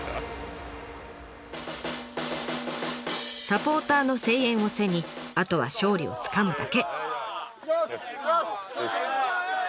サポーターの声援を背にあとは勝利をつかむだけ。